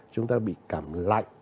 chúng ta bị cảm lạnh